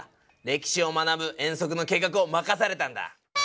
歴史を学ぶ遠足の計画を任されたんだ！